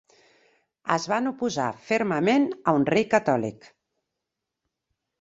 Es van oposar fermament a un rei catòlic.